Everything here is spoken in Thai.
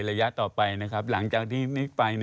ระยะต่อไปนะครับหลังจากที่นิกไป